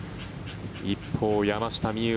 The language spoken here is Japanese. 一方、山下美夢